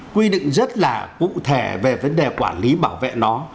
quy định rất là cụ thể về vấn đề quản lý bảo vệ nó